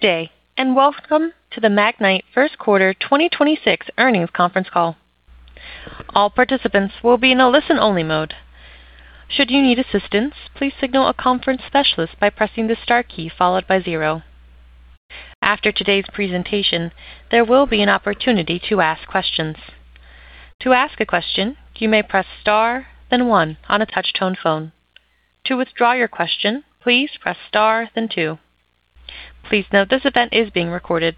Day, and welcome to the Magnite First Quarter 2026 earnings conference call. All participants will be in a listen-only mode. Should you need assistance, please signal a conference specialist by pressing the Star key followed by zero. After today's presentation, there will be an opportunity to ask questions. To ask a question, you may press star, then one on a touch-tone phone. To withdraw your question, please press star, then two. Please note this event is being recorded.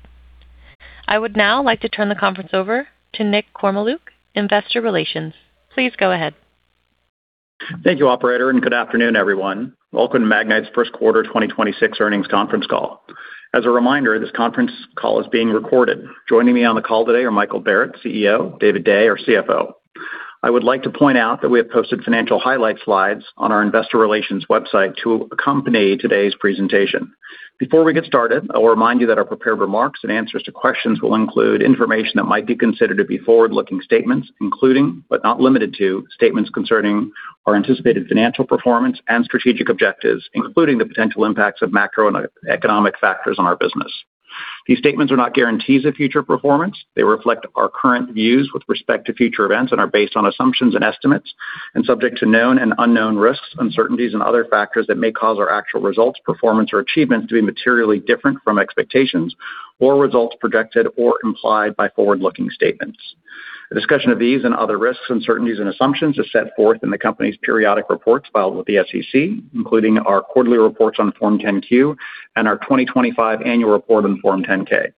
I would now like to turn the conference over to Nick Kormeluk, Investor Relations. Please go ahead. Thank you, operator, and good afternoon, everyone. Welcome to Magnite's first quarter 2026 earnings conference call. As a reminder, this conference call is being recorded. Joining me on the call today are Michael Barrett, CEO, David Day, our CFO. I would like to point out that we have posted financial highlight slides on our investor relations website to accompany today's presentation. Before we get started, I will remind you that our prepared remarks and answers to questions will include information that might be considered to be forward-looking statements, including, but not limited to, statements concerning our anticipated financial performance and strategic objectives, including the potential impacts of macroeconomic factors on our business. These statements are not guarantees of future performance. They reflect our current views with respect to future events and are based on assumptions and estimates, and subject to known and unknown risks, uncertainties, and other factors that may cause our actual results, performance or achievements to be materially different from expectations or results projected or implied by forward-looking statements. A discussion of these and other risks, uncertainties, and assumptions is set forth in the company's periodic reports filed with the SEC, including our quarterly reports on Form 10-Q and our 2025 annual report on Form 10-K.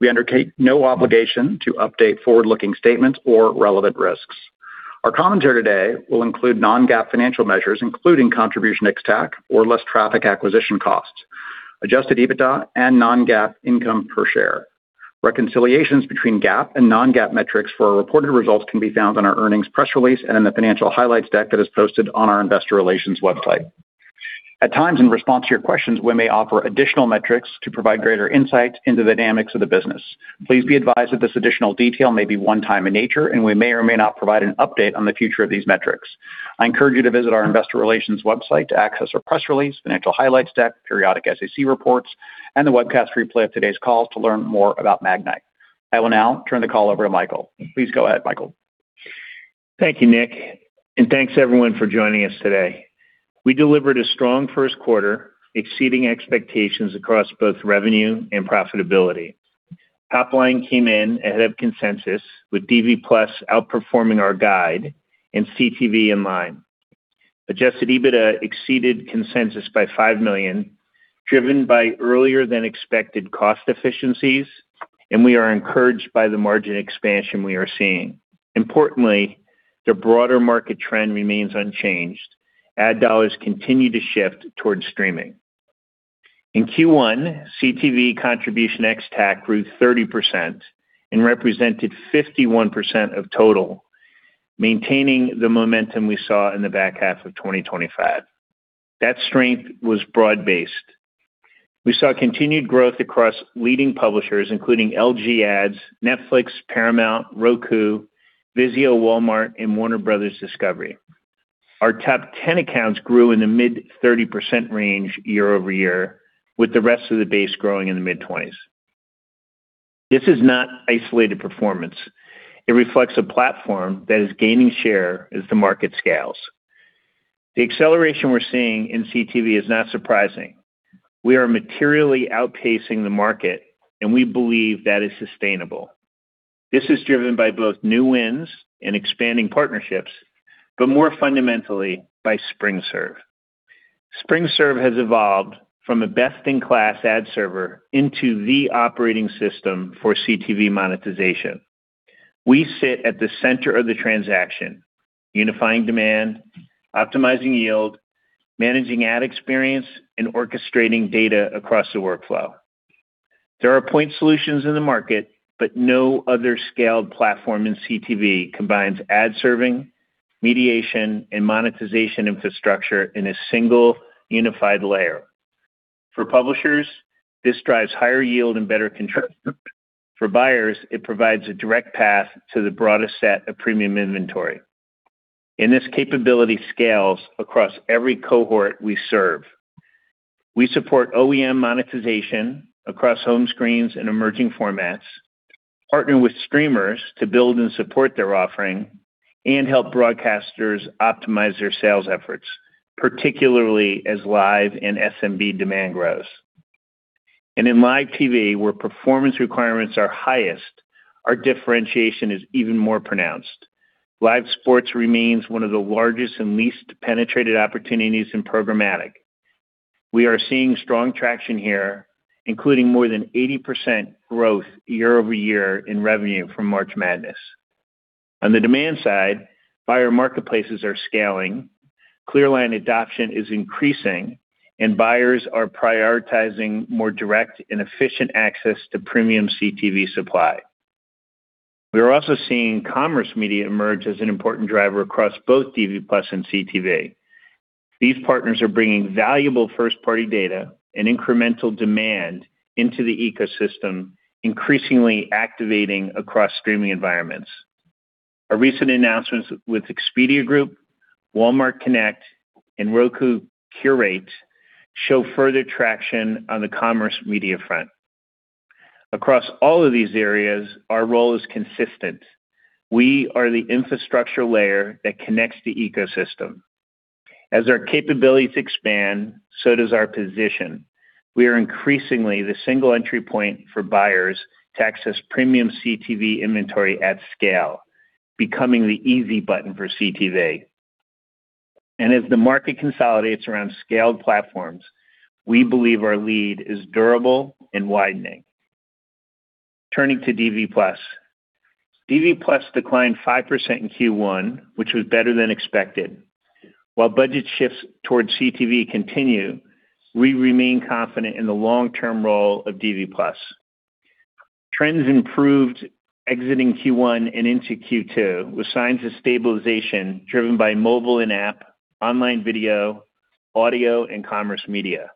We undertake no obligation to update forward-looking statements or relevant risks. Our commentary today will include non-GAAP financial measures, including contribution ex-TAC or less traffic acquisition costs, Adjusted EBITDA and non-GAAP income per share. Reconciliations between GAAP and non-GAAP metrics for our reported results can be found on our earnings press release and in the financial highlights deck that is posted on our investor relations website. At times, in response to your questions, we may offer additional metrics to provide greater insight into the dynamics of the business. Please be advised that this additional detail may be one-time in nature, and we may or may not provide an update on the future of these metrics. I encourage you to visit our investor relations website to access our press release, financial highlights deck, periodic SEC reports, and the webcast replay of today's call to learn more about Magnite. I will now turn the call over to Michael. Please go ahead, Michael. Thank you, Nick, and thanks everyone for joining us today. We delivered a strong first quarter, exceeding expectations across both revenue and profitability. Top line came in ahead of consensus, with Magnite DV+ outperforming our guide and CTV in line. Adjusted EBITDA exceeded consensus by $5 million, driven by earlier than expected cost efficiencies, and we are encouraged by the margin expansion we are seeing. Importantly, the broader market trend remains unchanged. Ad dollars continue to shift towards streaming. In Q1, CTV contribution ex-TAC grew 30% and represented 51% of total, maintaining the momentum we saw in the back half of 2025. That strength was broad-based. We saw continued growth across leading publishers, including LG Ads, Netflix, Paramount, Roku, Vizio, Walmart, and Warner Bros. Discovery. Our top 10 accounts grew in the mid-30% range year-over-year, with the rest of the base growing in the mid-20s. This is not isolated performance. It reflects a platform that is gaining share as the market scales. The acceleration we're seeing in CTV is not surprising. We are materially outpacing the market, and we believe that is sustainable. This is driven by both new wins and expanding partnerships, more fundamentally by SpringServe. SpringServe has evolved from a best-in-class ad server into the operating system for CTV monetization. We sit at the center of the transaction, unifying demand, optimizing yield, managing ad experience, and orchestrating data across the workflow. There are point solutions in the market, but no other scaled platform in CTV combines ad serving, mediation, and monetization infrastructure in a single unified layer. For publishers, this drives higher yield and better control. For buyers, it provides a direct path to the broadest set of premium inventory. This capability scales across every cohort we serve. We support OEM monetization across home screens and emerging formats, partner with streamers to build and support their offering, and help broadcasters optimize their sales efforts, particularly as live and SMB demand grows. In live TV, where performance requirements are highest, our differentiation is even more pronounced. Live sports remains one of the largest and least penetrated opportunities in programmatic. We are seeing strong traction here, including more than 80% growth year-over-year in revenue from March Madness. On the demand side, buyer marketplaces are scaling, ClearLine adoption is increasing, and buyers are prioritizing more direct and efficient access to premium CTV supply. We are also seeing commerce media emerge as an important driver across both Magnite DV+ and CTV. These partners are bringing valuable first-party data and incremental demand into the ecosystem, increasingly activating across streaming environments. Our recent announcements with Expedia Group, Walmart Connect, and Roku Curate show further traction on the commerce media front. Across all of these areas, our role is consistent. We are the infrastructure layer that connects the ecosystem. As our capabilities expand, so does our position. We are increasingly the single entry point for buyers to access premium CTV inventory at scale, becoming the easy button for CTV. As the market consolidates around scaled platforms, we believe our lead is durable and widening. Turning to DV+. DV+ declined 5% in Q1, which was better than expected. While budget shifts towards CTV continue, we remain confident in the long-term role of DV+. Trends improved exiting Q1 and into Q2, with signs of stabilization driven by mobile in-app, online video, audio, and commerce media.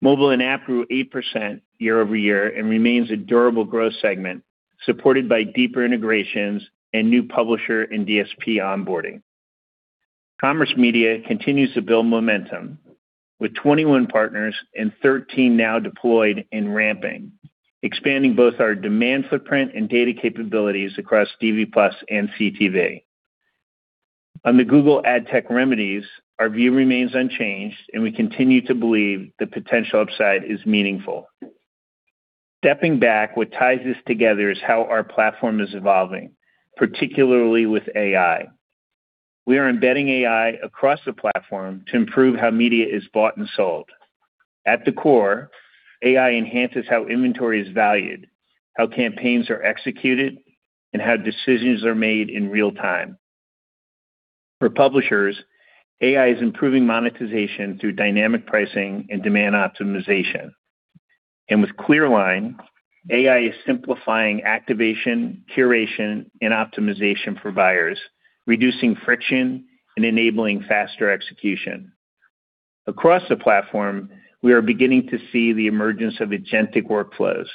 Mobile in-app grew 8% year-over-year and remains a durable growth segment, supported by deeper integrations and new publisher and DSP onboarding. Commerce media continues to build momentum, with 21 partners and 13 now deployed and ramping, expanding both our demand footprint and data capabilities across DV+ and CTV. On the Google ad tech remedies, our view remains unchanged, and we continue to believe the potential upside is meaningful. Stepping back, what ties this together is how our platform is evolving, particularly with AI. We are embedding AI across the platform to improve how media is bought and sold. At the core, AI enhances how inventory is valued, how campaigns are executed, and how decisions are made in real time. For publishers, AI is improving monetization through dynamic pricing and demand optimization. With ClearLine, AI is simplifying activation, curation, and optimization for buyers, reducing friction and enabling faster execution. Across the platform, we are beginning to see the emergence of agentic workflows,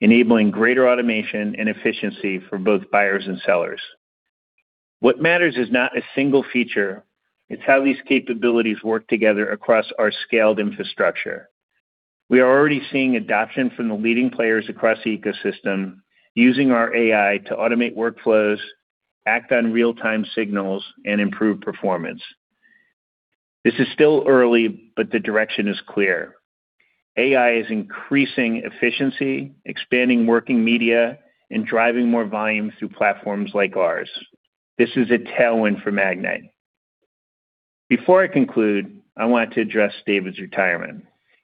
enabling greater automation and efficiency for both buyers and sellers. What matters is not a single feature, it's how these capabilities work together across our scaled infrastructure. We are already seeing adoption from the leading players across the ecosystem using our AI to automate workflows, act on real-time signals, and improve performance. This is still early, the direction is clear. AI is increasing efficiency, expanding working media, and driving more volume through platforms like ours. This is a tailwind for Magnite. Before I conclude, I want to address David's retirement.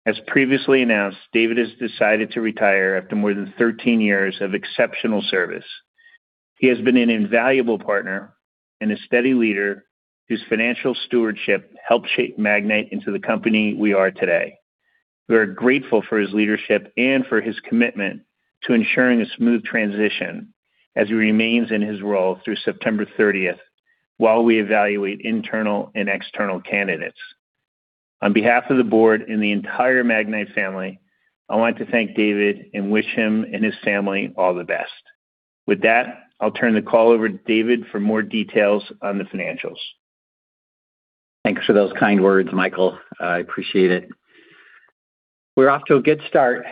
As previously announced, David has decided to retire after more than 13 years of exceptional service. He has been an invaluable partner and a steady leader whose financial stewardship helped shape Magnite into the company we are today. We are grateful for his leadership and for his commitment to ensuring a smooth transition as he remains in his role through September 30th while we evaluate internal and external candidates. On behalf of the board and the entire Magnite family, I want to thank David and wish him and his family all the best. With that, I'll turn the call over to David for more details on the financials. Thanks for those kind words, Michael. I appreciate it. We're off to a good start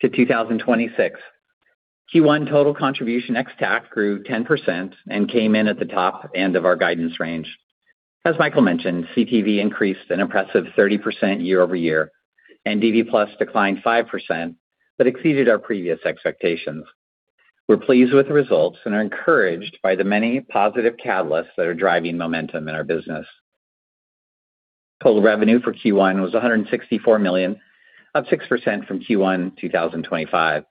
to 2026. Q1 total contribution ex-TAC grew 10% and came in at the top end of our guidance range. As Michael mentioned, CTV increased an impressive 30% year-over-year, and DV+ declined 5% but exceeded our previous expectations. We're pleased with the results and are encouraged by the many positive catalysts that are driving momentum in our business. Total revenue for Q1 was $164 million, up 6% from Q1 2025.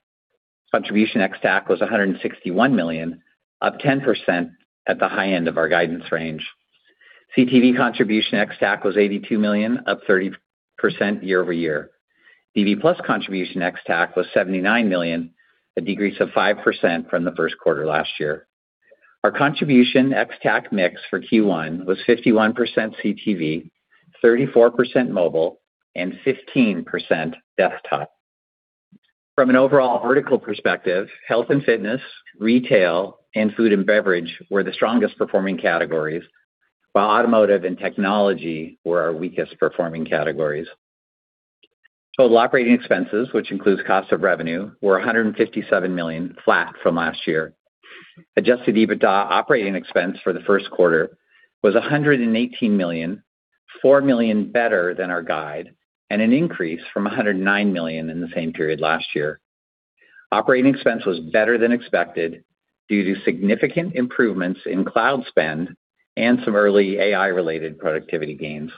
Contribution ex-TAC was $161 million, up 10% at the high end of our guidance range. CTV contribution ex-TAC was $82 million, up 30% year-over-year. DV+ contribution ex-TAC was $79 million, a decrease of 5% from the first quarter last year. Our contribution ex-TAC mix for Q1 was 51% CTV, 34% mobile, and 15% desktop. From an overall vertical perspective, health and fitness, retail, and food and beverage were the strongest performing categories, while automotive and technology were our weakest performing categories. Total operating expenses, which includes cost of revenue, were $157 million, flat from last year. Adjusted EBITDA operating expense for the first quarter was $118 million, $4 million better than our guide, and an increase from $109 million in the same period last year. Operating expense was better than expected due to significant improvements in cloud spend and some early AI-related productivity gains.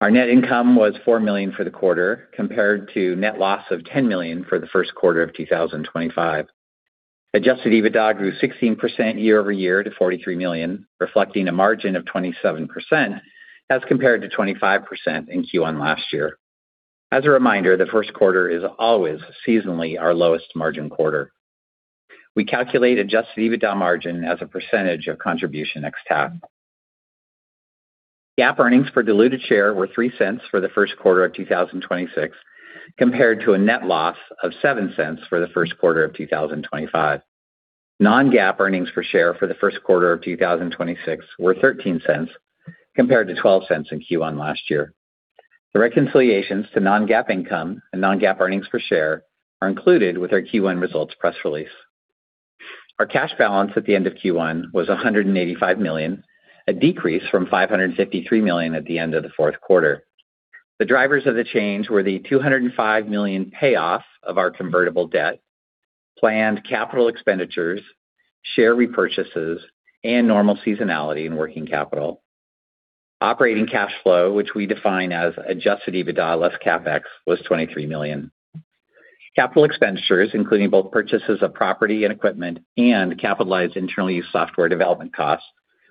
Our net income was $4 million for the quarter, compared to net loss of $10 million for the first quarter of 2025. Adjusted EBITDA grew 16% year-over-year to $43 million, reflecting a margin of 27% as compared to 25% in Q1 last year. As a reminder, the first quarter is always seasonally our lowest margin quarter. We calculate Adjusted EBITDA margin as a percentage of contribution ex-TAC. GAAP earnings per diluted share were $0.03 for the first quarter of 2026, compared to a net loss of $0.07 for the first quarter of 2025. Non-GAAP earnings per share for the first quarter of 2026 were $0.13 compared to $0.12 in Q1 last year. The reconciliations to Non-GAAP income and Non-GAAP earnings per share are included with our Q1 results press release. Our cash balance at the end of Q1 was $185 million, a decrease from $553 million at the end of the fourth quarter. The drivers of the change were the $205 million payoff of our convertible debt, planned capital expenditures, share repurchases, and normal seasonality in working capital. Operating cash flow, which we define as Adjusted EBITDA less CapEx, was $23 million. Capital expenditures, including both purchases of property and equipment and capitalized internal use software development costs,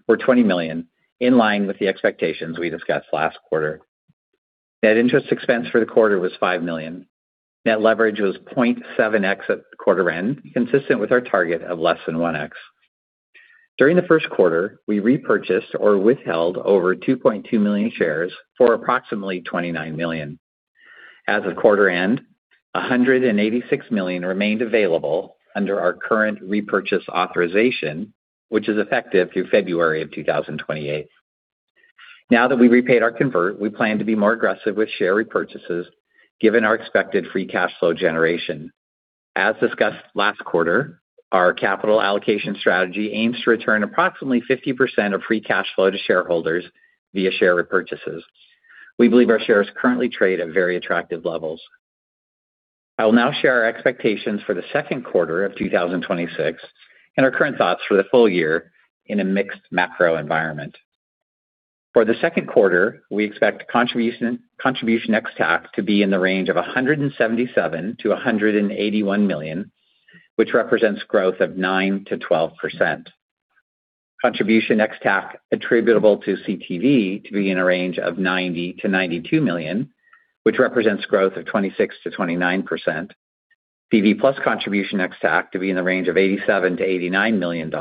were $20 million, in line with the expectations we discussed last quarter. Net interest expense for the quarter was $5 million. Net leverage was 0.7x at quarter end, consistent with our target of less than 1x. During the first quarter, we repurchased or withheld over 2.2 million shares for approximately $29 million. As of quarter end, $186 million remained available under our current repurchase authorization, which is effective through February of 2028. That we've repaid our convert, we plan to be more aggressive with share repurchases given our expected free cash flow generation. As discussed last quarter, our capital allocation strategy aims to return approximately 50% of free cash flow to shareholders via share repurchases. We believe our shares currently trade at very attractive levels. I will now share our expectations for the second quarter of 2026 and our current thoughts for the full year in a mixed macro environment. For the second quarter, we expect contribution ex-TAC to be in the range of $177 million-$181 million, which represents growth of 9%-12%. Contribution ex-TAC attributable to CTV to be in a range of $90 million-$92 million, which represents growth of 26%-29%. Magnite DV+ contribution ex-TAC to be in the range of $87 million-$89 million,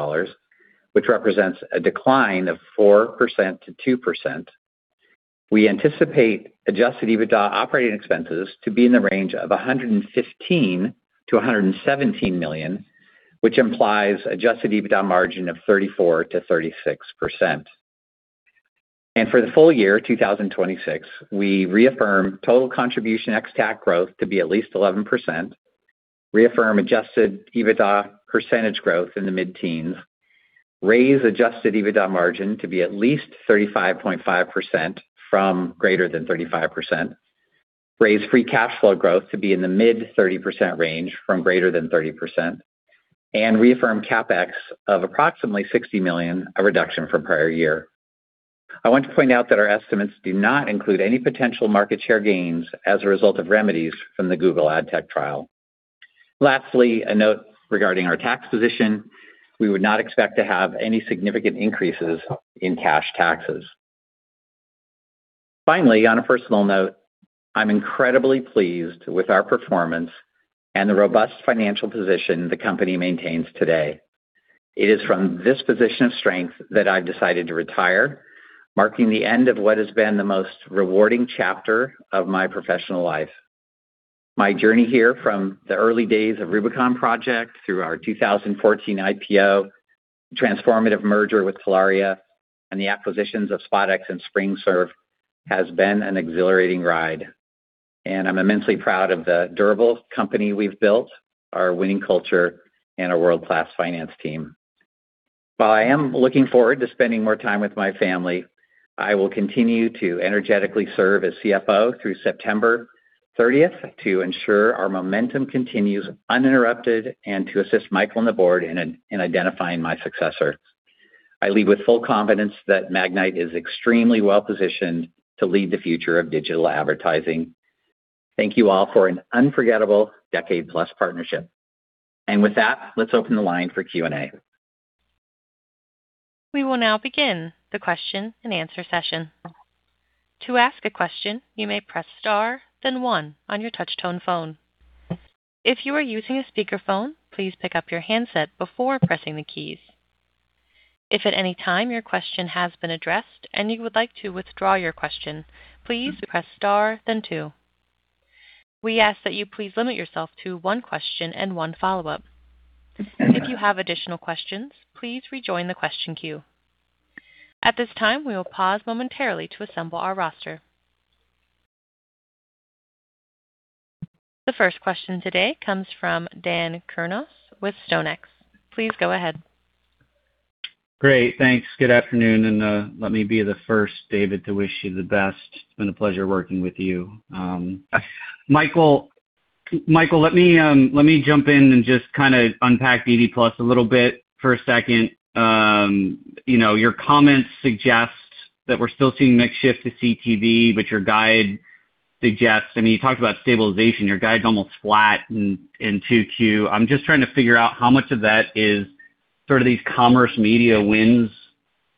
which represents a decline of 4%-2%. We anticipate Adjusted EBITDA operating expenses to be in the range of $115 million-$117 million, which implies Adjusted EBITDA margin of 34%-36%. For the full year 2026, we reaffirm total contribution ex-TAC growth to be at least 11%, reaffirm Adjusted EBITDA percentage growth in the mid-teens, raise Adjusted EBITDA margin to be at least 35.5% from greater than 35%, raise free cash flow growth to be in the mid-30% range from greater than 30%, and reaffirm CapEx of approximately $60 million, a reduction from prior year. I want to point out that our estimates do not include any potential market share gains as a result of remedies from the Google ad tech trial. Lastly, a note regarding our tax position. We would not expect to have any significant increases in cash taxes. Finally, on a personal note, I'm incredibly pleased with our performance and the robust financial position the company maintains today. It is from this position of strength that I've decided to retire, marking the end of what has been the most rewarding chapter of my professional life. My journey here from the early days of Rubicon Project through our 2014 IPO, transformative merger with Telaria, and the acquisitions of SpotX and SpringServe has been an exhilarating ride, and I'm immensely proud of the durable company we've built, our winning culture, and our world-class finance team. While I am looking forward to spending more time with my family, I will continue to energetically serve as CFO through September 30th to ensure our momentum continues uninterrupted and to assist Michael and the board in identifying my successor. I leave with full confidence that Magnite is extremely well-positioned to lead the future of digital advertising. Thank you all for an unforgettable decade-plus partnership. With that, let's open the line for Q&A. We will now begin the question and answer session. To ask the question you may press star, then one on your touch-tone phone, if you are using speaker phone please pick up your handset before pressing the key. If there anytime your question has been address and you would like to withdraw your question, please press star then two, we ask you please to let yourself to one question and one follow up. If you have additional question please rejoin the question queue. At this time we will pause momentarily to assemble our router. The first question today comes from Daniel Kurnos with StoneX. Please go ahead. Great. Thanks. Good afternoon, and, let me be the first, David, to wish you the best. It's been a pleasure working with you. Michael, let me jump in and just kinda unpack Magnite DV+ a little bit for a second. You know, your comments suggest that we're still seeing mix shift to CTV, but your guide suggests, I mean, you talked about stabilization. Your guide's almost flat in 2Q. I'm just trying to figure out how much of that is sort of these commerce media wins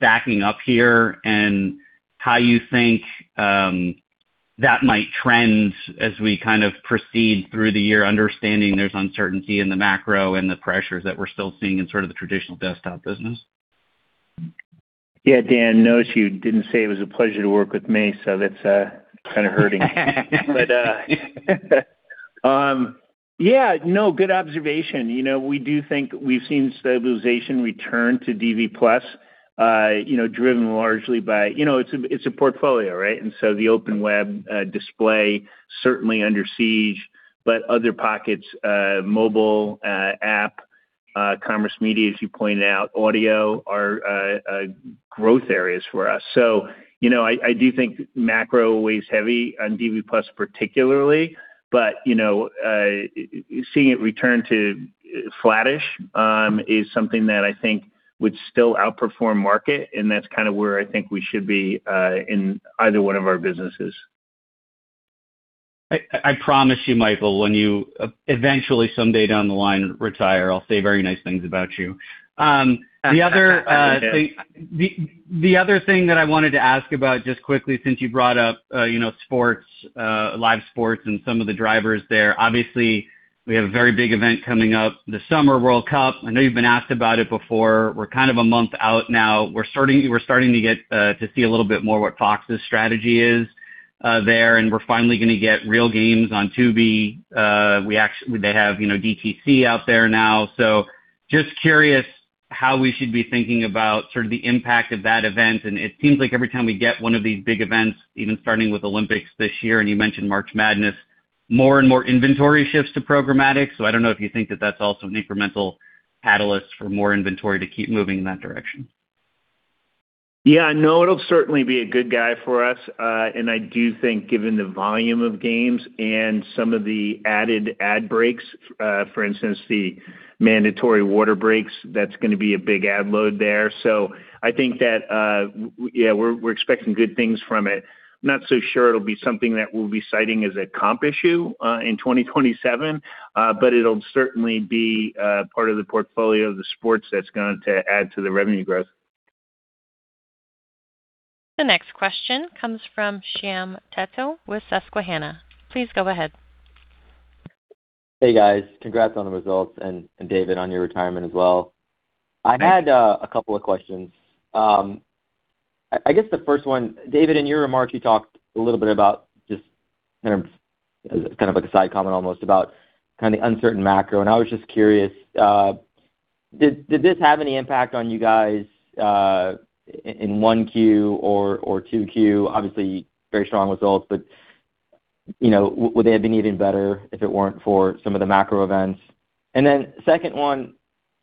backing up here and how you think that might trend as we kind of proceed through the year, understanding there's uncertainty in the macro and the pressures that we're still seeing in sort of the traditional desktop business. Yeah, Dan, notice you didn't say it was a pleasure to work with me, so that's kind of hurting. Yeah, no good observation. You know, we do think we've seen stabilization return to Magnite DV+, you know, driven largely by, you know, it's a, it's a portfolio, right? The Open Web, display certainly under siege, but other pockets, mobile, app, commerce media, as you pointed out, audio are growth areas for us. You know, I do think macro weighs heavy on Magnite DV+ particularly, you know, seeing it return to flattish is something that I think would still outperform market, and that's kind of where I think we should be in either one of our businesses. I promise you, Michael, when you eventually someday down the line retire, I'll say very nice things about you. The other thing that I wanted to ask about, just quickly since you brought up, you know, sports, live sports and some of the drivers there. Obviously, we have a very big event coming up this summer, World Cup. I know you've been asked about it before. We're kind of a month out now. We're starting to get to see a little bit more what Fox's strategy is there, and we're finally gonna get real games on Tubi. They have, you know, DTC out there now. Just curious how we should be thinking about sort of the impact of that event. It seems like every time we get one of these big events, even starting with Olympics this year, and you mentioned March Madness, more and more inventory shifts to programmatic. I don't know if you think that that's also an incremental catalyst for more inventory to keep moving in that direction. It'll certainly be a good guy for us. I do think given the volume of games and some of the added ad breaks, for instance, the mandatory water breaks, that's gonna be a big ad load there. I think that, we're expecting good things from it. Not so sure it'll be something that we'll be citing as a comp issue in 2027. It'll certainly be part of the portfolio of the sports that's going to add to the revenue growth. The next question comes from Shyam Patil with Susquehanna. Please go ahead. Hey, guys. Congrats on the results, and David, on your retirement as well. I had a couple of questions. I guess the first one, David, in your remarks, you talked a little bit about just kind of like a side comment almost about kind of the uncertain macro. I was just curious, did this have any impact on you guys in 1Q or 2Q? Obviously, very strong results, you know, would they have been even better if it weren't for some of the macro events? Second one,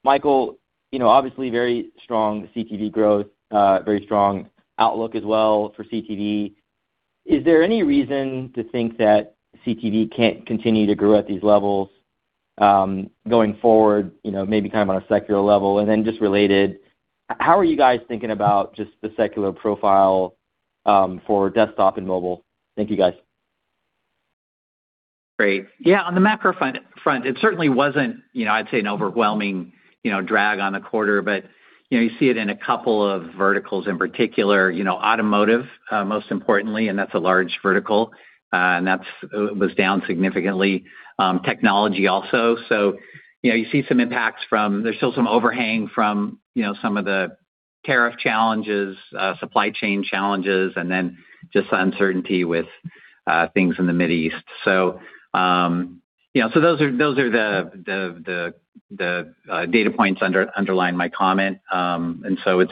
Michael, you know, obviously very strong CTV growth, very strong outlook as well for CTV. Is there any reason to think that CTV can't continue to grow at these levels going forward, you know, maybe kind of on a secular level? Just related, how are you guys thinking about just the secular profile for desktop and mobile? Thank you, guys. Great. On the macro front, it certainly wasn't, you know, I'd say an overwhelming, you know, drag on the quarter. You know, you see it in a couple of verticals, in particular, you know, automotive, most importantly, and that was down significantly. Technology also. You know, you see some impacts from there's still some overhang from, you know, some of the tariff challenges, supply chain challenges, and then just the uncertainty with things in the Mid East. Yeah, those are the data points underlying my comment. It's,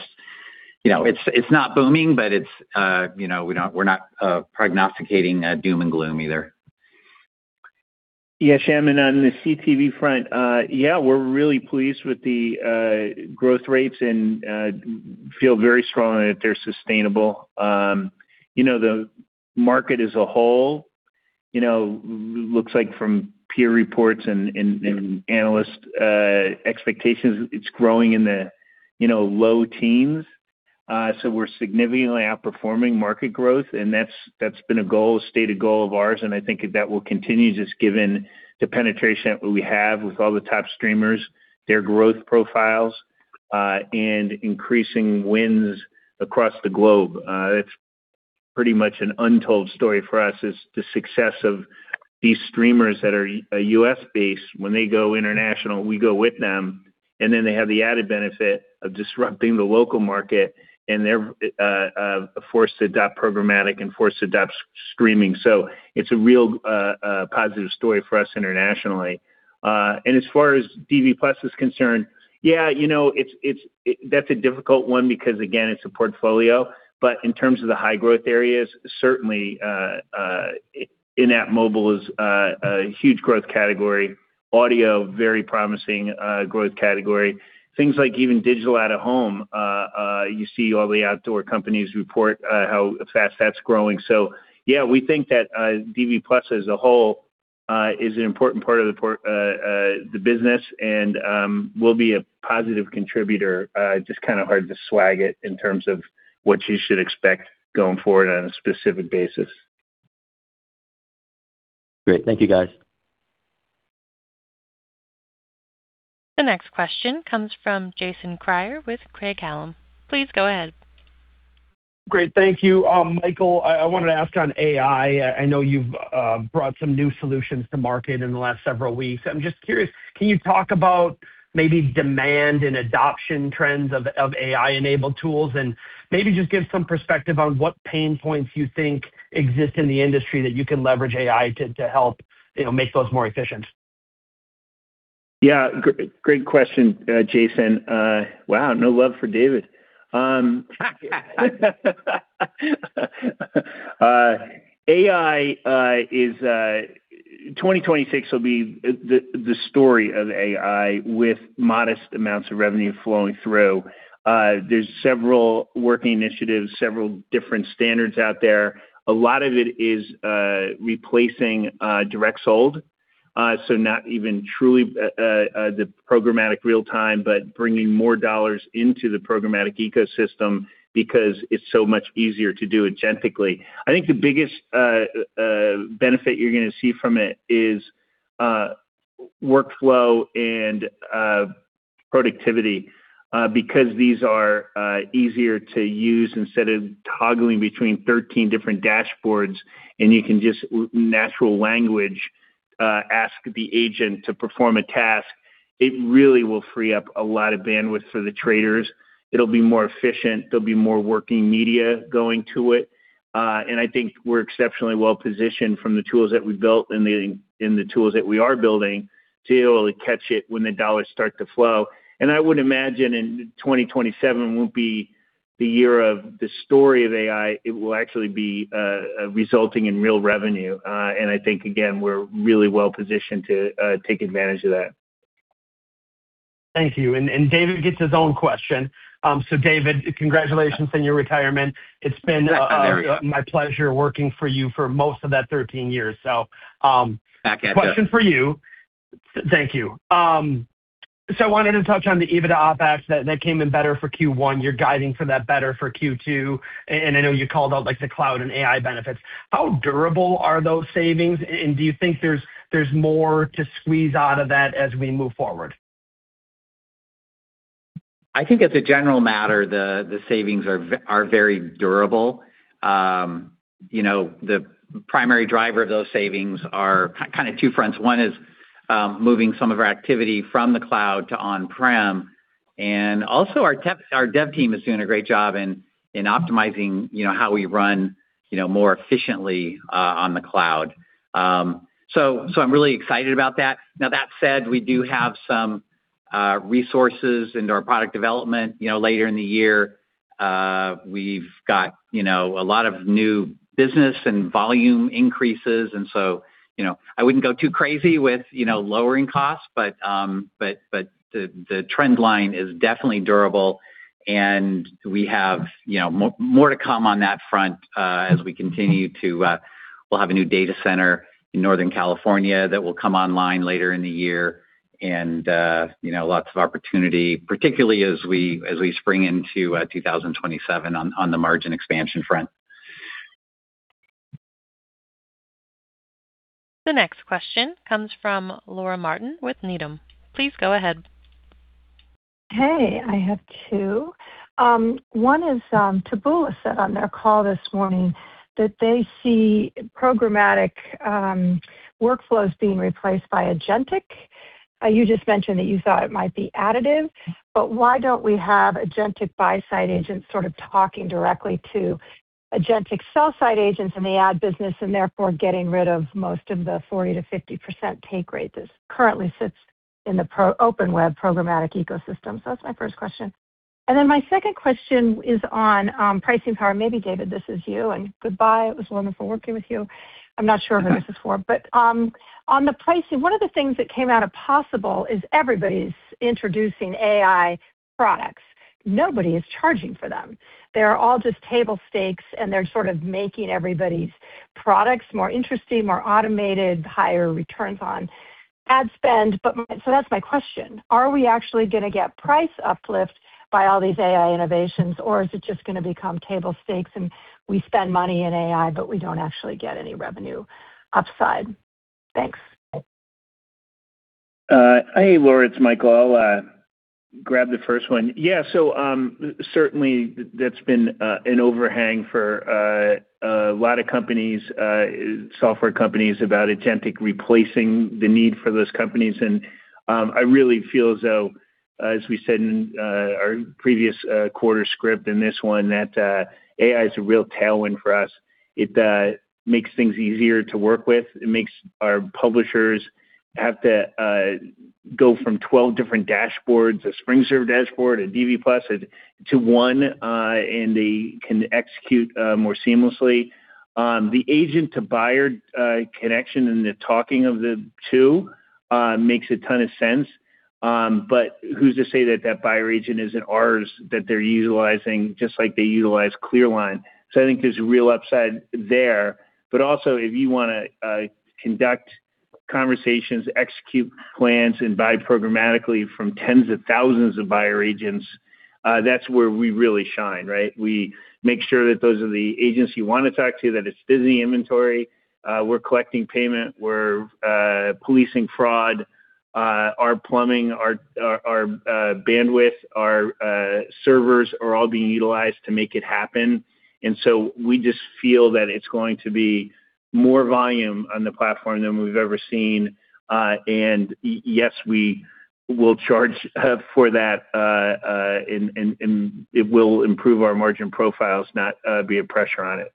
you know, it's not booming, but it's, you know, we're not prognosticating doom and gloom either. Shyam Patil. On the CTV front, we're really pleased with the growth rates and feel very strongly that they're sustainable. You know, the market as a whole, you know, looks like from peer reports and analyst expectations, it's growing in the, you know, low 10s. We're significantly outperforming market growth, and that's been a goal, a stated goal of ours, and I think that will continue just given the penetration that we have with all the top streamers, their growth profiles, and increasing wins across the globe. It's pretty much an untold story for us is the success of these streamers that are U.S.-based. When they go international, we go with them, and then they have the added benefit of disrupting the local market, and they're forced to adopt programmatic and forced to adopt streaming. It's a real positive story for us internationally. As far as Magnite DV+ is concerned, yeah, you know, it's a difficult one because, again, it's a portfolio. In terms of the high-growth areas, certainly, in-app mobile is a huge growth category. Audio, very promising growth category. Things like even digital out-of-home, you see all the outdoor companies report how fast that's growing. We think that Magnite DV+ as a whole is an important part of the business and will be a positive contributor. Just kind of hard to swag it in terms of what you should expect going forward on a specific basis. Great. Thank you, guys. The next question comes from Jason Kreyer with Craig-Hallum. Please go ahead. Great. Thank you. Michael, I wanted to ask on AI. I know you've brought some new solutions to market in the last several weeks. I'm just curious, can you talk about maybe demand and adoption trends of AI-enabled tools? Maybe just give some perspective on what pain points you think exist in the industry that you can leverage AI to help, you know, make those more efficient. Yeah. Great question, Jason. Wow, no love for David. AI is 2026 will be the story of AI with modest amounts of revenue flowing through. There's several working initiatives, several different standards out there. A lot of it is replacing direct sold, so not even truly the programmatic real time, but bringing more dollars into the programmatic ecosystem because it's so much easier to do it agentically. I think the biggest benefit you're gonna see from it is workflow and productivity because these are easier to use instead of toggling between 13 different dashboards, and you can just natural language ask the agent to perform a task. It really will free up a lot of bandwidth for the traders. It'll be more efficient. There'll be more working media going to it. I think we're exceptionally well-positioned from the tools that we built and the tools that we are building to be able to catch it when the dollars start to flow. I would imagine in 2027 won't be the year of the story of AI. It will actually be resulting in real revenue. I think, again, we're really well-positioned to take advantage of that. Thank you. David gets his own question. David, congratulations on your retirement. Thanks, Jason. My pleasure working for you for most of that 13 years. Back at ya. Question for you. Thank you. I wanted to touch on the EBITDA OpEx that came in better for Q1. You're guiding for that better for Q2, and I know you called out, like, the cloud and AI benefits. How durable are those savings, and do you think there's more to squeeze out of that as we move forward? I think as a general matter, the savings are very durable. You know, the primary driver of those savings are kind of two fronts. One is, moving some of our activity from the cloud to on-prem, and also our dev team is doing a great job in optimizing, you know, how we run, you know, more efficiently on the cloud. I'm really excited about that. Now that said, we do have some resources into our product development, you know, later in the year. We've got, you know, a lot of new business and volume increases. You know, I wouldn't go too crazy with, you know, lowering costs. The trend line is definitely durable, and we have, you know, more to come on that front. We'll have a new data center in Northern California that will come online later in the year and, you know, lots of opportunity, particularly as we spring into 2027 on the margin expansion front. The next question comes from Laura Martin with Needham. Please go ahead. I have two. One is, Taboola said on their call this morning that they see programmatic workflows being replaced by agentic. You just mentioned that you thought it might be additive, but why don't we have agentic buy-side agents sort of talking directly to agentic sell-side agents in the ad business and therefore getting rid of most of the 40%-50% take rate that currently sits in the open web programmatic ecosystem? That's my first question. My second question is on pricing power. Maybe David, this is you, and goodbye. It was wonderful working with you. I'm not sure who this is for. On the pricing, one of the things that came out of Possible is everybody's introducing AI products. Nobody is charging for them. They are all just table stakes, and they're sort of making everybody's products more interesting, more automated, higher returns on ad spend. That's my question. Are we actually gonna get price uplift by all these AI innovations, or is it just gonna become table stakes and we spend money in AI, but we don't actually get any revenue upside? Thanks. Hey, Laura Martin, it's Michael Barrett. I'll grab the first one. Certainly that's been an overhang for a lot of companies, software companies about agentic replacing the need for those companies. I really feel as though, as we said in our previous quarter script and this one, that AI is a real tailwind for us. It makes things easier to work with. It makes our publishers have to go from 12 different dashboards, a SpringServe dashboard, a DV+, to one, and they can execute more seamlessly. The agent-to-buyer connection and the talking of the two makes a ton of sense. Who's to say that that buyer agent isn't ours that they're utilizing just like they utilize ClearLine? I think there's a real upside there. Also, if you wanna conduct conversations, execute plans, and buy programmatically from 10s of thousands of buyer agents, that's where we really shine, right? We make sure that those are the agents you wanna talk to, that it's legit inventory. We're collecting payment. We're policing fraud. Our plumbing, our bandwidth, our servers are all being utilized to make it happen. We just feel that it's going to be more volume on the platform than we've ever seen. Yes, we will charge for that, and it will improve our margin profiles, not be a pressure on it.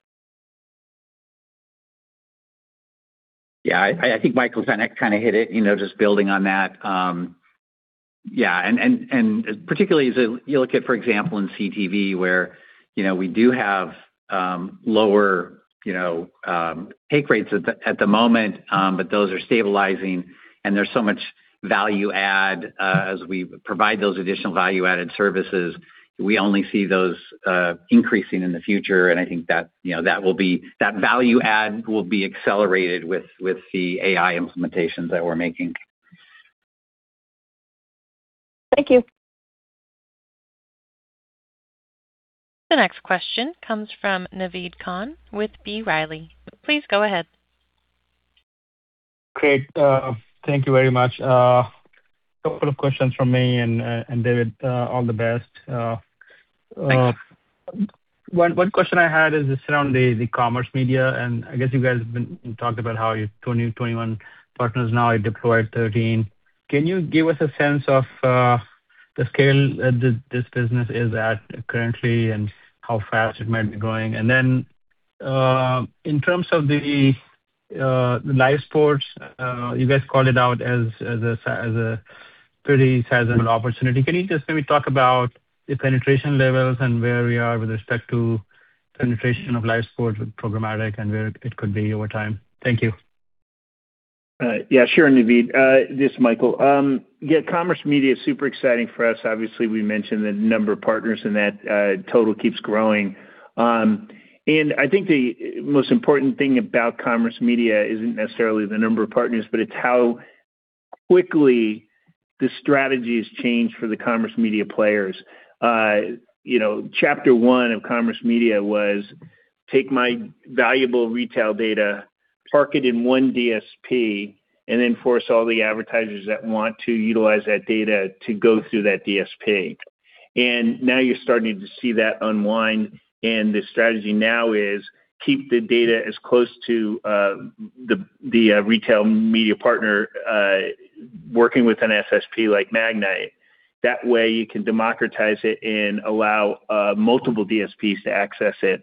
I think Michael's kind of hit it, you know, just building on that. Particularly as you look at, for example, in CTV where, you know, we do have lower, you know, take rates at the moment, but those are stabilizing and there's so much value add as we provide those additional value-added services. We only see those increasing in the future, I think that, you know, that value add will be accelerated with the AI implementations that we're making. Thank you. The next question comes from Naved Khan with B. Riley. Please go ahead. Great. Thank you very much. A couple of questions from me and David, all the best. Thanks. One question I had is just around the commerce media, and I guess you guys talked about how you're 20, 21 partners now, you deployed 13. Can you give us a sense of the scale this business is at currently and how fast it might be growing? Then, in terms of the live sports, you guys called it out as a pretty sizable opportunity. Can you just maybe talk about the penetration levels and where we are with respect to penetration of live sports with programmatic and where it could be over time? Thank you. Yeah, sure, Naved. This Michael. Yeah, commerce media is super exciting for us. Obviously, we mentioned the number of partners in that, total keeps growing. I think the most important thing about commerce media isn't necessarily the number of partners, but it's how quickly the strategy has changed for the commerce media players. You know, chapter one of commerce media was take my valuable retail data, park it in one DSP, and then force all the advertisers that want to utilize that data to go through that DSP. Now you're starting to see that unwind, and the strategy now is keep the data as close to the, retail media partner, working with an SSP like Magnite. That way, you can democratize it and allow multiple DSPs to access it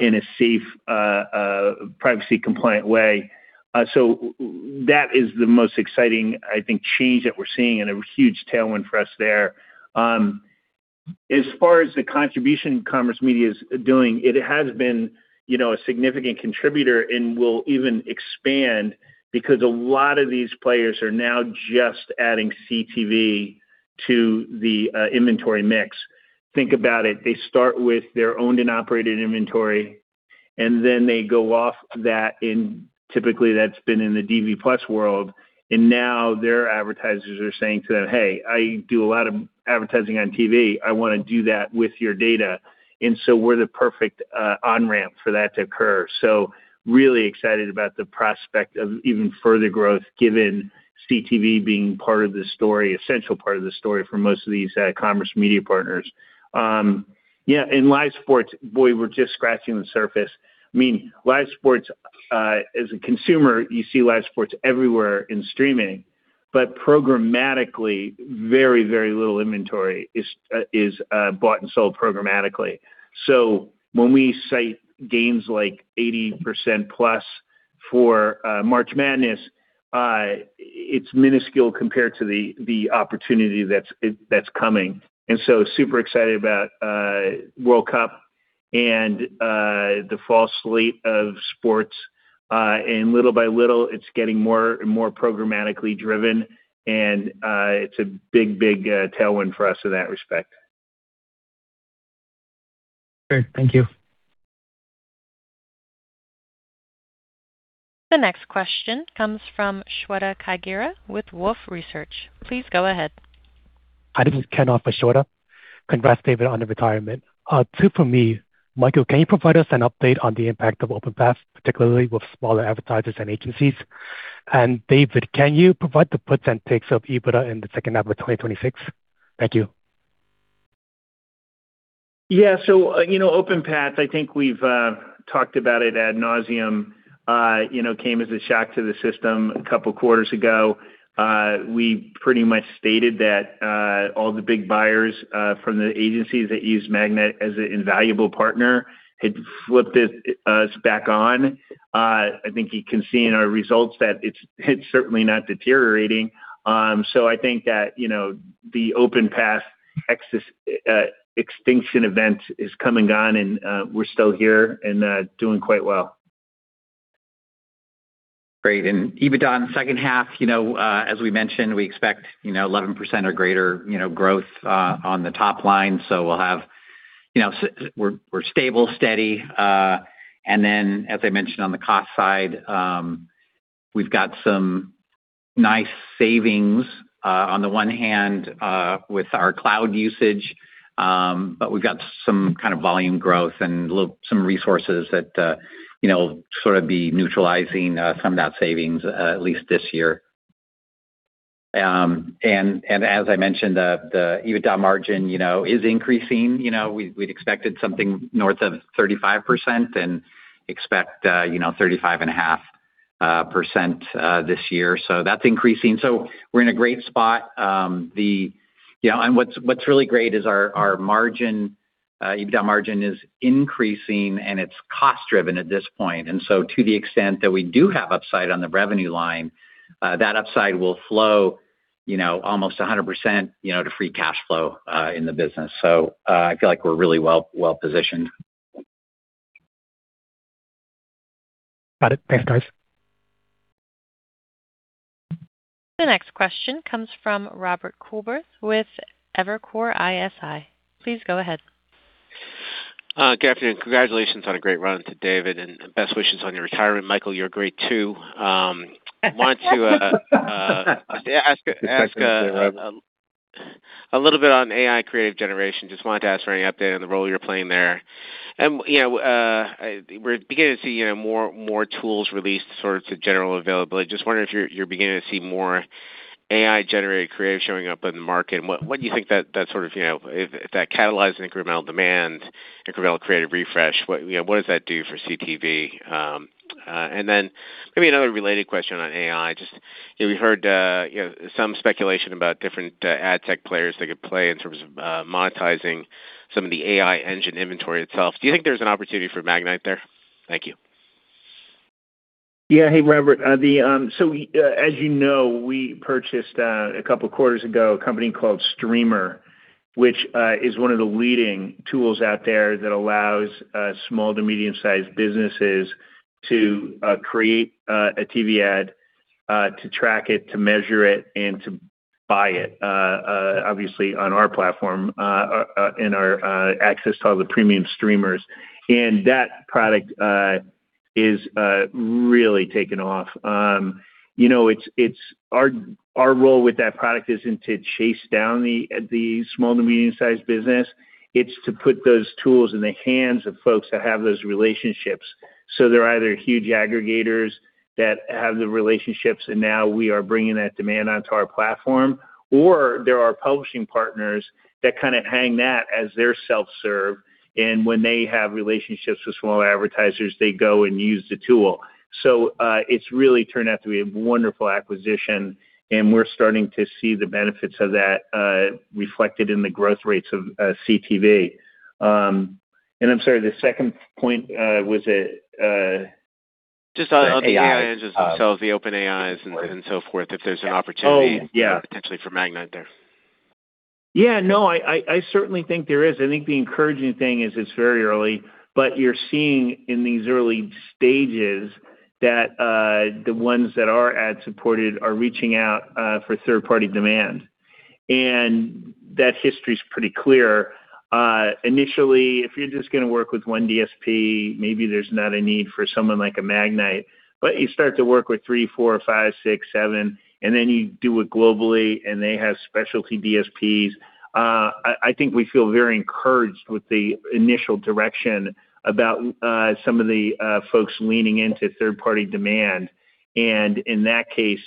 in a safe, privacy compliant way. That is the most exciting, I think, change that we're seeing and a huge tailwind for us there. As far as the contribution commerce media is doing, it has been, you know, a significant contributor and will even expand because a lot of these players are now just adding CTV to the inventory mix. Think about it. They start with their owned and operated inventory, then they go off that in typically that's been in the Magnite DV+ world, and now their advertisers are saying to them, "Hey, I do a lot of advertising on TV. I wanna do that with your data." We're the perfect on-ramp for that to occur. Really excited about the prospect of even further growth given CTV being part of the story, essential part of the story for most of these commerce media partners. Yeah, in live sports, boy, we're just scratching the surface. I mean, live sports, as a consumer, you see live sports everywhere in streaming, but programmatically, very, very little inventory is bought and sold programmatically. When we cite gains like 80%+ for March Madness, it's minuscule compared to the opportunity that's coming. Super excited about World Cup and the fall slate of sports. Little by little, it's getting more and more programmatically driven, it's a big tailwind for us in that respect. Great. Thank you. The next question comes from Shweta Khajuria with Wolfe Research. Please go ahead. Hi, this is Ken off of Shweta. Congrats, David, on your retirement. two for me. Michael, can you provide us an update on the impact of OpenPath, particularly with smaller advertisers and agencies? David, can you provide the puts and takes of EBITDA in the second half of 2026? Thank you. Yeah. you know, OpenPath, I think we've talked about it ad nauseam, you know, came as a shock to the system a couple quarters ago. We pretty much stated that all the big buyers from the agencies that use Magnite as an invaluable partner had flipped it, us back on. I think you can see in our results that it's certainly not deteriorating. I think that, you know, the OpenPath extinction event is come and gone, we're still here doing quite well. Great. EBITDA in the second half, you know, as we mentioned, we expect, you know, 11% or greater, you know, growth on the top line. We'll have, you know, we're stable, steady. As I mentioned on the cost side, we've got some nice savings On the one hand, with our cloud usage, we've got some kind of volume growth and some resources that, you know, sort of be neutralizing some of that savings at least this year. As I mentioned, the EBITDA margin, you know, is increasing. You know, we'd expected something north of 35% and expect, you know, 35.5% this year. That's increasing. We're in a great spot. You know, what's really great is our margin, EBITDA margin is increasing, and it's cost-driven at this point. To the extent that we do have upside on the revenue line, that upside will flow, you know, almost 100%, you know, to free cash flow in the business. I feel like we're really well-positioned. Got it. Thanks, guys. The next question comes from Robert Coolbrith with Evercore ISI. Please go ahead. Good afternoon. Congratulations on a great run to David, and best wishes on your retirement, Michael. You're great too. Wanted to ask a little bit on AI creative generation. Just wanted to ask for any update on the role you're playing there. You know, we're beginning to see, you know, more tools released sort of to general availability. Just wondering if you're beginning to see more AI-generated creative showing up in the market, and what do you think that sort of, you know, if that catalyzing incremental demand, incremental creative refresh, what, you know, what does that do for CTV? Then maybe another related question on AI. Just, you know, we heard, you know, some speculation about different ad tech players that could play in terms of monetizing some of the AI engine inventory itself. Do you think there's an opportunity for Magnite there? Thank you. Yeah. Hey, Robert. As you know, we purchased a couple quarters ago a company called streamr.ai, which is one of the leading tools out there that allows small to medium-sized businesses to create a TV ad, to track it, to measure it, and to buy it obviously on our platform and our access to all the premium streamers. That product is really taking off. You know, our role with that product isn't to chase down the small to medium-sized business. It's to put those tools in the hands of folks that have those relationships. They're either huge aggregators that have the relationships, and now we are bringing that demand onto our platform, or there are publishing partners that kind of hang that as their self-serve, and when they have relationships with smaller advertisers, they go and use the tool. It's really turned out to be a wonderful acquisition, and we're starting to see the benefits of that reflected in the growth rates of CTV. I'm sorry, the second point. Just on the AI engines themselves, the OpenAI and so forth, if there's an opportunity. Oh, yeah. potentially for Magnite there. Yeah, no, I certainly think there is. I think the encouraging thing is it's very early, but you're seeing in these early stages that the ones that are ad-supported are reaching out for third-party demand. That history's pretty clear. Initially, if you're just gonna work with one DSP, maybe there's not a need for someone like a Magnite. You start to work with three, four, five, six, seven, and then you do it globally, and they have specialty DSPs. I think we feel very encouraged with the initial direction about some of the folks leaning into third-party demand. In that case,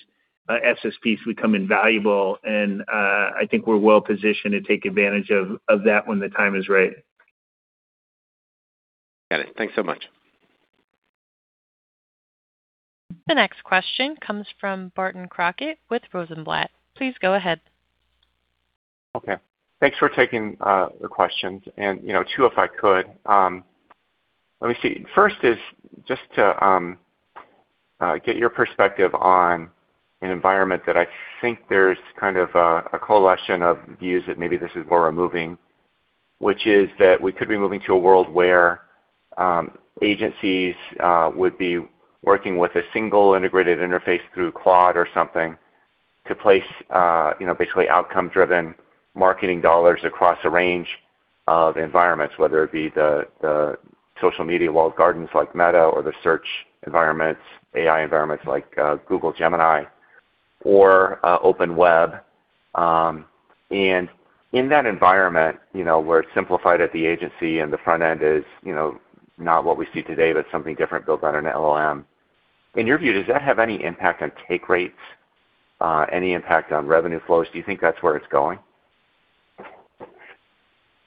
SSPs become invaluable, and I think we're well-positioned to take advantage of that when the time is right. Got it. Thanks so much. The next question comes from Barton Crockett with Rosenblatt. Please go ahead. Okay. Thanks for taking the questions. You know, two, if I could. Let me see. First is just to get your perspective on an environment that I think there's kind of a coalition of views that maybe this is where we're moving, which is that we could be moving to a world where agencies would be working with a single integrated interface through Quad or something to place, you know, basically outcome-driven marketing dollars across a range of environments, whether it be the social media walled gardens like Meta or the search environments, AI environments like Google Gemini or open web. In that environment, you know, where it's simplified at the agency and the front end is, you know, not what we see today, but something different built on an LLM. In your view, does that have any impact on take rates, any impact on revenue flows? Do you think that's where it's going?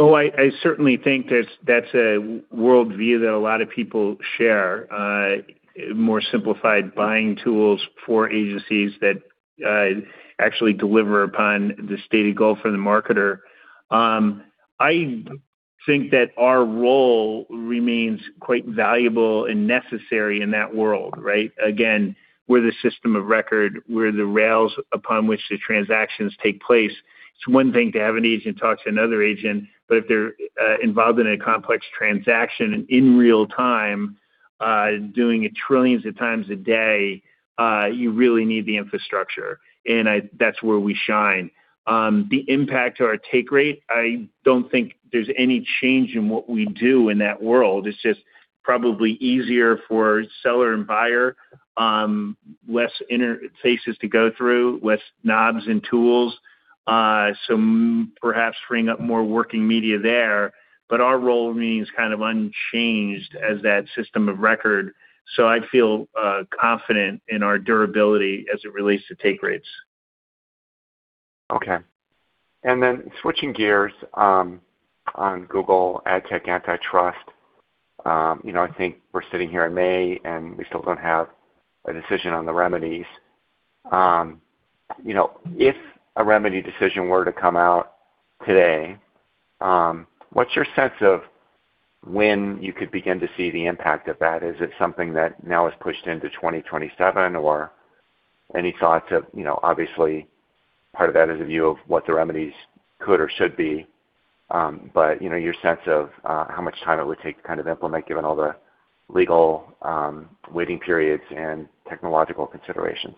I certainly think that's a worldview that a lot of people share. More simplified buying tools for agencies that actually deliver upon the stated goal for the marketer. I think that our role remains quite valuable and necessary in that world, right? Again, we're the system of record. We're the rails upon which the transactions take place. It's one thing to have an agent talk to another agent, but if they're involved in a complex transaction in real time, doing it trillions of times a day, you really need the infrastructure, and that's where we shine. The impact to our take rate, I don't think there's any change in what we do in that world. It's just probably easier for seller and buyer, less interfaces to go through, less knobs and tools, perhaps freeing up more working media there. Our role remains kind of unchanged as that system of record. I feel confident in our durability as it relates to take rates. Okay. Switching gears on Google Ad Tech antitrust. You know, I think we're sitting here in May, and we still don't have a decision on the remedies. You know, if a remedy decision were to come out today, what's your sense of when you could begin to see the impact of that? Is it something that now is pushed into 2027 or any thoughts of, you know, obviously part of that is a view of what the remedies could or should be. You know, your sense of how much time it would take to kind of implement given all the legal waiting periods and technological considerations.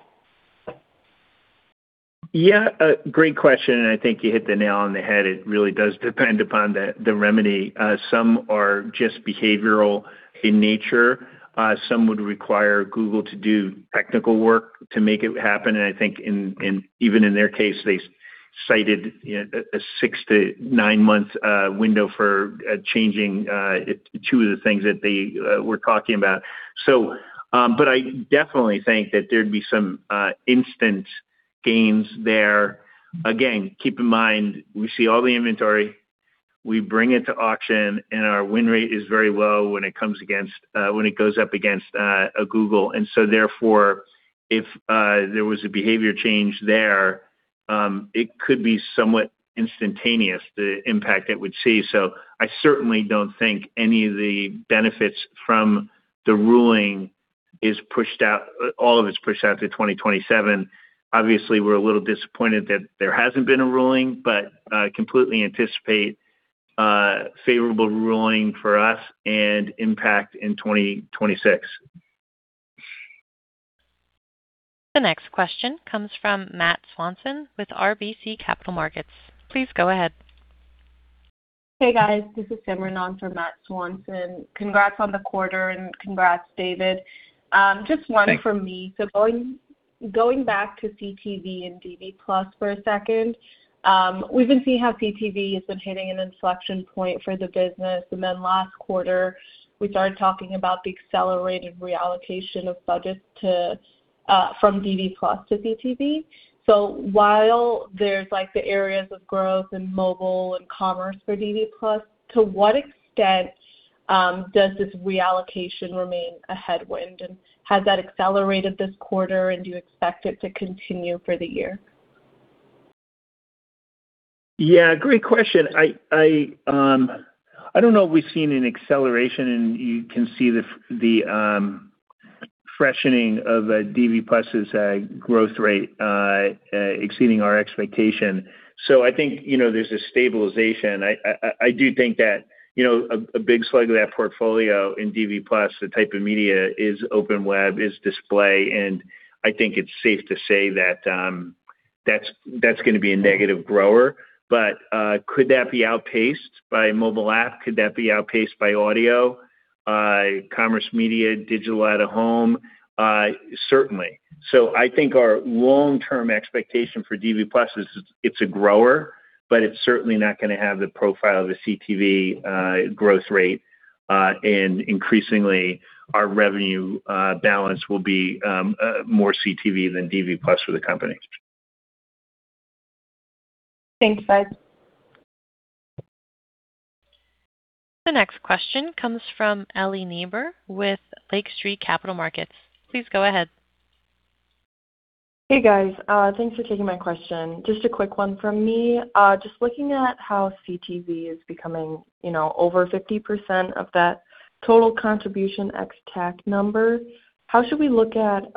Yeah, a great question. I think you hit the nail on the head. It really does depend upon the remedy. Some are just behavioral in nature. Some would require Google to do technical work to make it happen. I think in even in their case, they cited a six-nine month window for changing two of the things that they were talking about. I definitely think that there'd be some instant gains there. Again, keep in mind, we see all the inventory, we bring it to auction, and our win rate is very low when it comes against when it goes up against a Google. Therefore, if there was a behavior change there, it could be somewhat instantaneous, the impact it would see. I certainly don't think any of the benefits from the ruling is pushed out, all of it's pushed out to 2027. Obviously, we're a little disappointed that there hasn't been a ruling, completely anticipate a favorable ruling for us and impact in 2026. The next question comes from Matt Swanson with RBC Capital Markets. Please go ahead. Hey, guys. This is Simran on for Matt Swanson. Congrats on the quarter and congrats, David. Just one from me. Thanks. Going back to CTV and DV+ for a second. We've been seeing how CTV has been hitting an inflection point for the business. Last quarter, we started talking about the accelerated reallocation of budgets from DV+ to CTV. While there's like the areas of growth in mobile and commerce for DV+, to what extent does this reallocation remain a headwind? Has that accelerated this quarter, and do you expect it to continue for the year? Yeah, great question. I don't know if we've seen an acceleration. You can see the freshening of DV+'s growth rate exceeding our expectation. I think, you know, there's a stabilization. I do think that, you know, a big slug of that portfolio in DV+, the type of media is open web, is display. I think it's safe to say that's gonna be a negative grower. Could that be outpaced by mobile app? Could that be outpaced by audio, commerce media, digital out-of-home? Certainly. I think our long-term expectation for DV+ is it's a grower, it's certainly not gonna have the profile of a CTV growth rate. Increasingly, our revenue balance will be more CTV than DV+ for the company. Thanks, guys. The next question comes from [Eli Neighbor] with Lake Street Capital Markets. Please go ahead. Hey, guys. Thanks for taking my question. Just a quick one from me. Just looking at how CTV is becoming, you know, over 50% of that total contribution ex-TAC number, how should we look at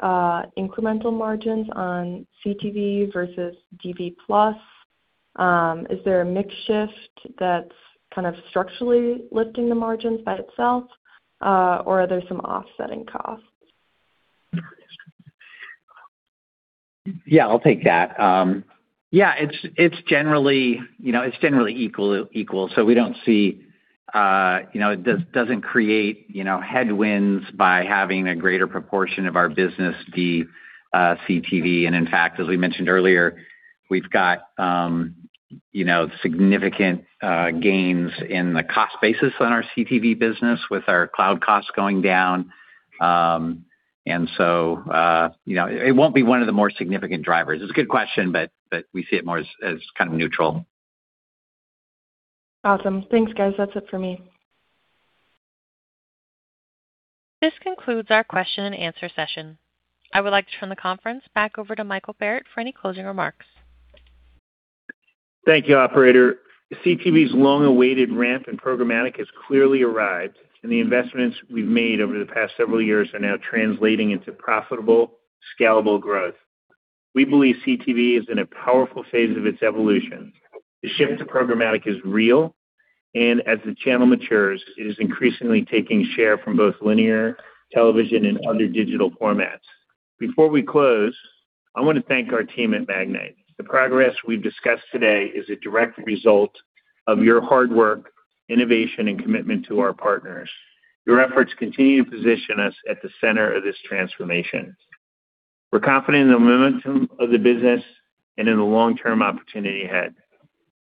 incremental margins on CTV versus DV+? Is there a mix shift that's kind of structurally lifting the margins by itself, or are there some offsetting costs? Yeah, I'll take that. Yeah, it's generally, you know, it's generally equal. We don't see, you know, it doesn't create, you know, headwinds by having a greater proportion of our business be CTV. In fact, as we mentioned earlier, we've got, you know, significant gains in the cost basis on our CTV business with our cloud costs going down. It won't be one of the more significant drivers. It's a good question, but we see it more as kind of neutral. Awesome. Thanks, guys. That's it for me. This concludes our question and answer session. I would like to turn the conference back over to Michael Barrett for any closing remarks. Thank you, operator. CTV's long-awaited ramp in programmatic has clearly arrived, and the investments we've made over the past several years are now translating into profitable, scalable growth. We believe CTV is in a powerful phase of its evolution. The shift to programmatic is real, as the channel matures, it is increasingly taking share from both linear television and other digital formats. Before we close, I wanna thank our team at Magnite. The progress we've discussed today is a direct result of your hard work, innovation, and commitment to our partners. Your efforts continue to position us at the center of this transformation. We're confident in the momentum of the business and in the long-term opportunity ahead.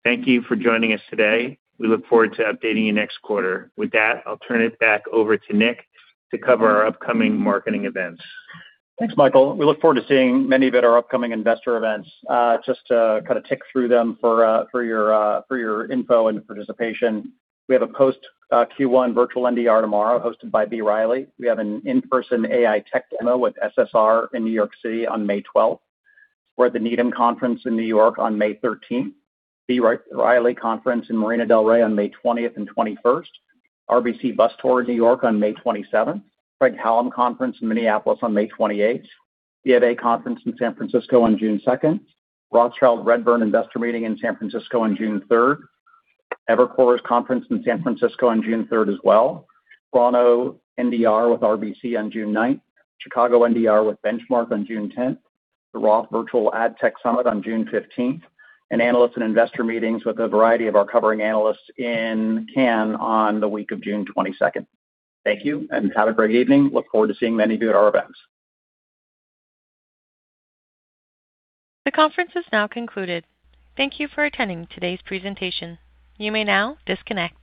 Thank you for joining us today. We look forward to updating you next quarter. With that, I'll turn it back over to Nick to cover our upcoming marketing events. Thanks, Michael. We look forward to seeing many of at our upcoming investor events. just to kinda tick through them for your info and participation. We have a post Q1 virtual NDR tomorrow hosted by B. Riley. We have an in-person AI tech demo with SSR in New York City on May 12th. We're at the Needham Conference in New York on May 13th. B. Riley Conference in Marina Del Rey on May 20th and 21st. RBC Bus Tour New York on May 27th. Craig-Hallum Conference in Minneapolis on May 28th. CFA Conference in San Francisco on June second. Rothschild Redburn Investor Meeting in San Francisco on June third. Evercore's conference in San Francisco on June third as well. Buono NDR with RBC on June nineth. Chicago NDR with Benchmark on June 10th. The Roth Virtual Ad Tech Summit on June 15th. Analyst and investor meetings with a variety of our covering analysts in Cannes on the week of June 22nd. Thank you, and have a great evening. Look forward to seeing many of you at our events. The conference is now concluded. Thank you for attending today's presentation. You may now disconnect.